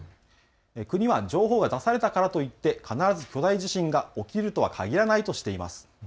国は情報が出されたからといって必ず巨大地震が起きるとは限らないとしています。